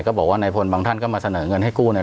ก็บอกว่านายพลบางท่านก็มาเสนอเงินให้กู้เนี่ย